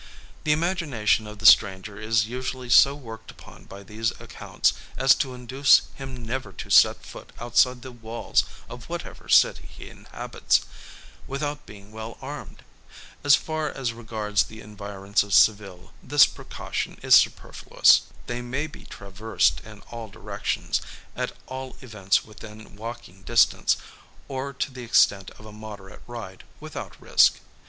The imagination of the stranger is usually so worked upon by these accounts, as to induce him never to set foot outside the walls of whatever city he inhabits, without being well armed. As far as regards the environs of Seville, this precaution is superfluous. They may be traversed in all directions, at all events within walking distance, or to the extent of a moderate ride, without risk.